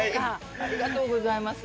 ありがとうございます。